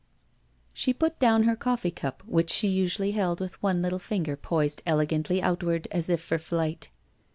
She put down her coffee cup, which she usually held with one little finger poised elegantly outward as if for flight.